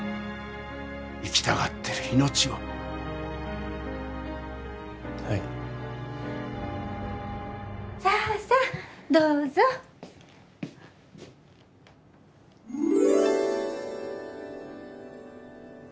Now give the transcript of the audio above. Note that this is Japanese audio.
生きたがってる命をはいさあさどうぞうん？